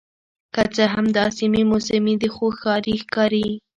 که څه هم دا سیمې موسمي دي خو ښاري ښکاري